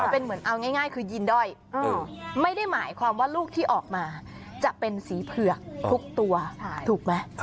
เป็นเหมือนเอาง่ายคือยินด้อยไม่ได้หมายความว่าลูกที่ออกมาจะเป็นสีเผือกทุกตัวถูกไหม